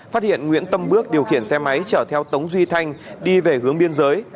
phát hiện nguyễn tâm bước điều khiển xe máy chở theo tống duy thanh đi về hướng biên giới